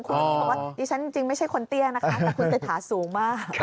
คุณยิ่งบอกว่าดิฉันจริงไม่ใช่คนเตี้ยนะคะแต่คุณเศรษฐาสูงมาก